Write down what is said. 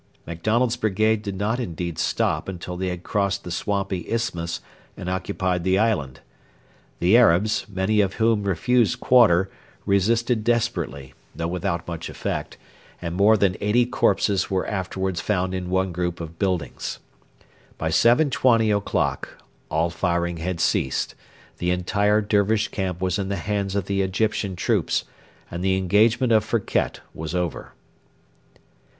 MacDonald's brigade did not indeed stop until they had crossed the swampy isthmus and occupied the island. The Arabs, many of whom refused quarter, resisted desperately, though without much effect, and more than eighty corpses were afterwards found in one group of buildings. By 7.20 o'clock all firing had ceased; the entire Dervish camp was in the hands of the Egyptian troops, and the engagement of Firket was over.